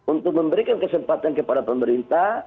untuk memberikan kesempatan kepada pemerintah